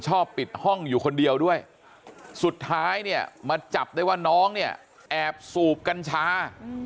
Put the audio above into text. ชอบปิดห้องอยู่คนเดียวด้วยสุดท้ายเนี่ยมาจับได้ว่าน้องเนี่ยแอบสูบกัญชา